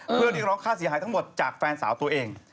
เพื่อเรียกร้องค่าเสียหายทั้งหมดจากแฟนสาวตัวเอง